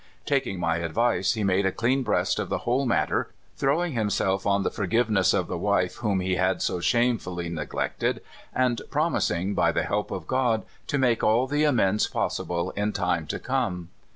Taking my advice, he made a clean breast of the whole matter, throwing himself on the forgiveness of the wife whom he had so shamefully neglected, and promising, by the help of God, to make all the amends possible in time to come.